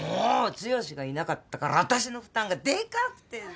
剛がいなかったからあたしの負担がでかくてさ。